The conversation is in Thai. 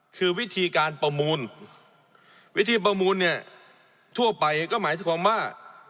คือวิธีการประมูลวิธีประมูลเนี่ยทั่วไปก็หมายความว่า